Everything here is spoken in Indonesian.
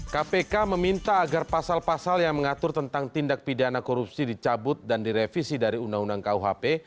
kpk meminta agar pasal pasal yang mengatur tentang tindak pidana korupsi dicabut dan direvisi dari undang undang kuhp